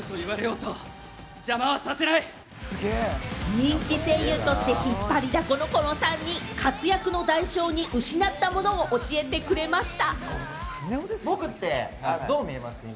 人気声優として引っ張りだこの、この３人、活躍の代償に失ったものを教えてくれました。